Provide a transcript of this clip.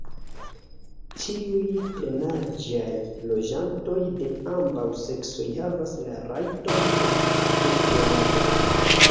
Ĉiuj plenaĝaj loĝantoj de ambaŭ seksoj havas la rajton de voĉdonado.